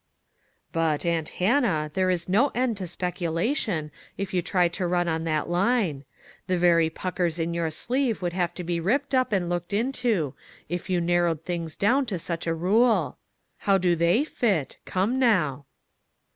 " But, aunt Hannah, there is no end to speculation, if you try to run on that line. The very puckers on your sleeve would have to be ripped up and looked into, if you narrowed things down to such a rule. How do they 'fit?' Come now!"